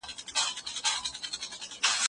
منظم سیستماتیک کار په هره برخه کي اړین دی.